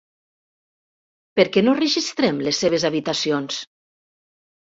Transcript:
Per què no registrem les seves habitacions?